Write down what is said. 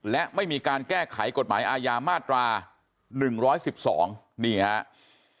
และไม่มีการแก้ไขกฎหมายอาญามาตรา๑๑๒นี่ครับ